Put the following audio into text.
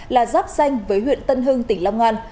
là giáp danh với huyện tân hưng tỉnh long an